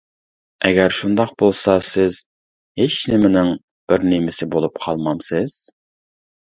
ئەگەر شۇنداق بولسا سىز «ھېچنېمىنىڭ» بىرنېمىسى بولۇپ قالمامسىز.